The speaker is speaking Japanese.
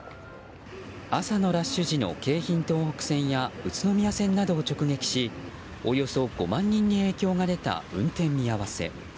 朝のラッシュ時の京浜東北線や宇都宮線などを直撃しおよそ５万人に影響が出た運転見合わせ。